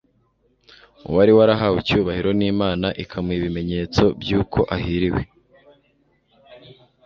uwari warahawe icyubahiro n'imana ikamuha ibimenyetso by'uko ahiriwe